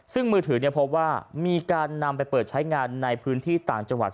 ซึ่งมือถือพบว่ามีการนำไปเปิดใช้งานในพื้นที่ต่างจังหวัด